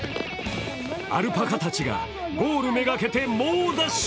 アルパカたちがゴール目がけて猛ダッシュ。